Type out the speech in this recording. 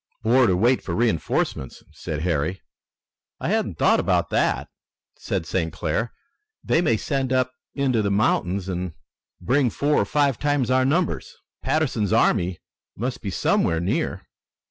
"Or to wait for reinforcements," said Harry. "I hadn't thought of that," said St. Clair. "They may send up into the mountains and bring four or five times our numbers. Patterson's army must be somewhere near."